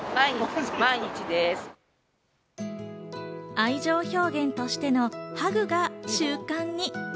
愛情表現としてのハグが習慣に。